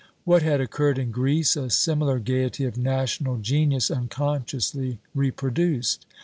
What had occurred in Greece a similar gaiety of national genius unconsciously reproduced.